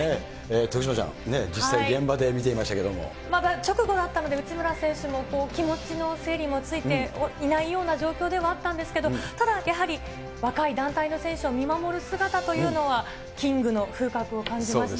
徳島ちゃん、直後だったので、内村選手も気持ちの整理もついていないような状況ではあったんですけれども、ただ、やはり、若い団体の選手を見守る姿というのは、キングの風格を感じました。